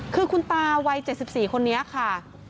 คือคุณตาวัย๗๔คนนี้ค่ะ